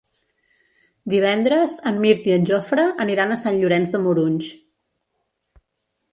Divendres en Mirt i en Jofre aniran a Sant Llorenç de Morunys.